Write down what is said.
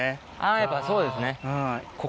あやっぱそうですね。